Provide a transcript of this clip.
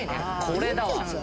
これだわ！